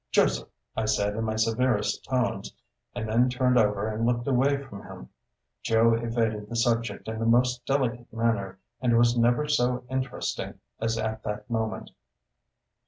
"Joseph!" I said in my severest tones, and then turned over and looked away from him. Joe evaded the subject in the most delicate manner, and was never so interesting as at that moment.